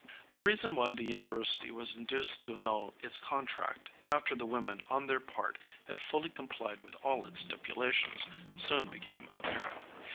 The reason why the university was induced to annul its contract, after the women on their part had fully complied with all its stipulations, soon became apparent.